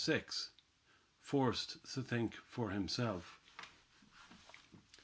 FORCED TO THINK FOR HIMSELF.